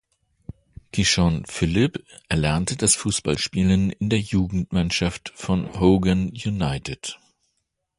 Kishon Philip erlernte das Fußballspielen in der Jugendmannschaft von Hougang United.